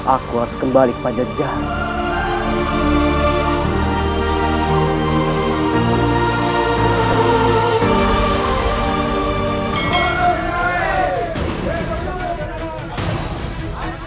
aku harus kembali ke pajak jahat